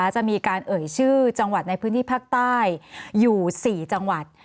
จะมีการเอ่ยชื่อจังหวัดในพื้นที่ภาคใต้อยู่๔จังหวัด